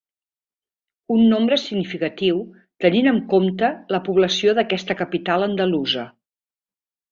Un nombre significatiu tenint en compte la població d'aquesta capital andalusa.